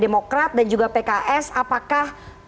demokrat dan juga pks apakah